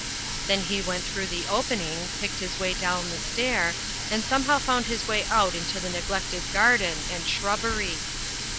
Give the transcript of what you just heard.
Then he went through the opening, picked his way down the stair, and somehow found his way out into the neglected garden and shrubbery.